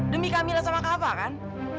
demi kamila sama kak fah kan